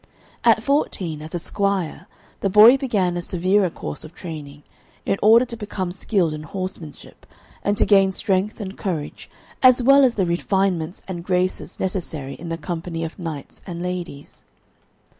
At fourteen, as a squire, the boy began a severer course of training, in order to become skilled in horsemanship, and to gain strength and courage, as well as the refinements and graces necessary in the company of knights and ladies.